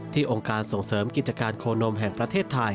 องค์การส่งเสริมกิจการโคนมแห่งประเทศไทย